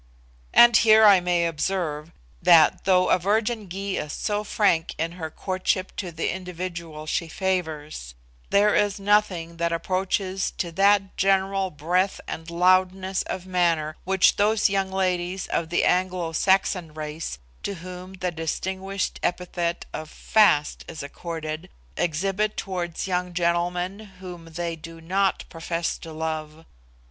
And here I may observe that, though a virgin Gy is so frank in her courtship to the individual she favours, there is nothing that approaches to that general breadth and loudness of manner which those young ladies of the Anglo Saxon race, to whom the distinguished epithet of 'fast' is accorded, exhibit towards young gentlemen whom they do not profess to love.